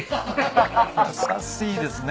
優しいですね。